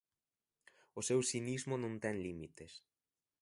O seu cinismo non ten límites.